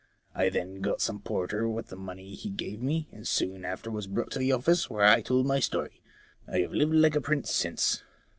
I then got some porter with the money he gave me, and soon after was brought to the office, where I told my st^ry. I have lived like a prince since.'